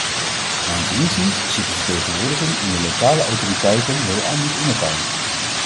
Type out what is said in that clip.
Mijns inziens zit de vertegenwoordiging in de lokale autoriteiten heel anders in elkaar.